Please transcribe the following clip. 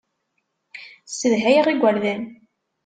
Ssedhayeɣ igerdan.